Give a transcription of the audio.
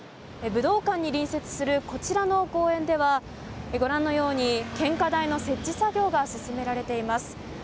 武道館に隣接するこちらの公園ではご覧のように献花台の設置作業が進められています。